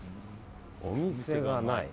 お店がない。